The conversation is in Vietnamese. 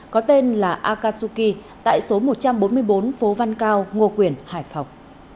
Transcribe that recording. có tên là akashuki tại số một trăm bốn mươi bốn phố văn cao ngô quyền hải phòng